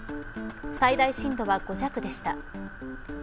最大震度は５弱でした。